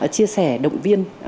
chia sẻ động viên